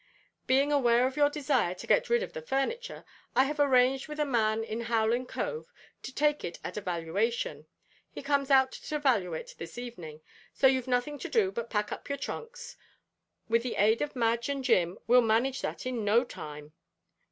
"Being aware of your desire to get rid of the furniture, I have arranged with a man in Howlin' Cove to take it at a valuation. He comes out to value it this evening, so you've nothing to do but pack up your trunks. With the aid of Madge and Jim we'll manage that in no time."